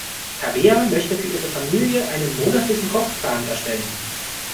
Tabea möchte für ihre Familie einen monatlichen Kochplan erstellen.